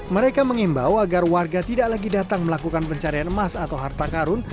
mereka mengimbau agar warga tidak lagi datang melakukan pencarian